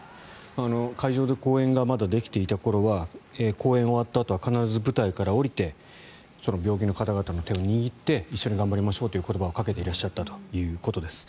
会場で講演がまだできていた頃は講演が終わったあとは必ず舞台から降りて病気の方々の手を握って一緒に頑張りましょうという声をかけていらっしゃったということです。